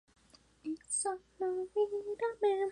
El fondo es controlado por el Ministerio de Finanzas.